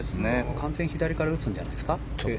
完全に左から打つんじゃないですか。